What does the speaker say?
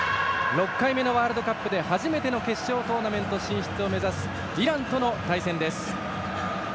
６回目のワールドカップで初めての決勝トーナメント進出を目指すイランとの対戦です。